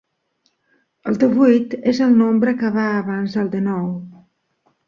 El devuit és el nombre que va abans del denou.